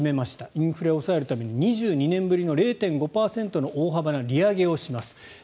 インフレを抑えるために２２年ぶりの０．５％の大幅な利上げをします。